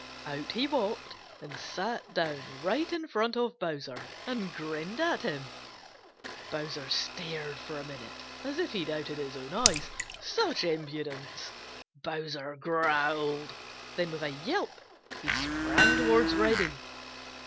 Out he walked and sat down right in front of Bowser and grinned at him. Bowser stared for a minute as if he doubted his own eyes. Such impudence! Bowser growled. Then with a yelp he sprang towards Reddy.